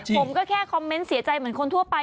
ผมก็แค่คอมเมนต์เสียใจเหมือนคนทั่วไป